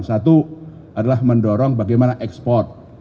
satu adalah mendorong bagaimana ekspor